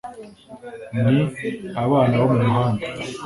N abana bo mu muhanda